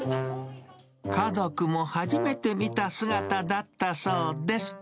家族も初めて見た姿だったそうです。